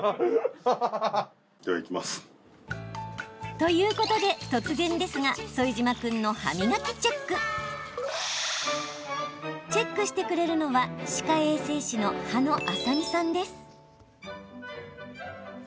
ということで、突然ですが副島君の歯磨きチェック。チェックしてくれるのは歯科衛生士の羽野麻未さんです。